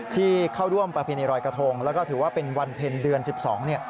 ที่เข้าร่วมประเพณีรอยกระทงแล้วก็ถือว่าเป็นวันเพ็ญเดือน๑๒เนี่ย